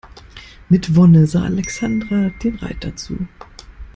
Mit Wonne sah Alexandra den Reitern zu.